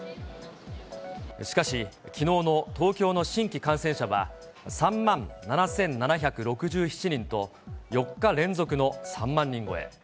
しかし、きのうの東京の新規感染者は、３万７７６７人と、４日連続の３万人超え。